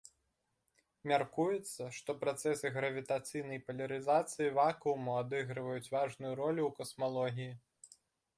Мяркуецца, што працэсы гравітацыйнай палярызацыі вакууму адыгрываюць важную ролю ў касмалогіі.